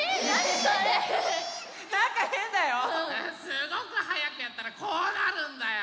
すごくはやくやったらこうなるんだよ。